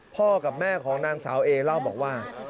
พ่อกับแม่ของนางสาวเอเล่าบอกว่า